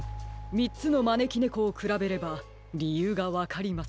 みっつのまねきねこをくらべればりゆうがわかります。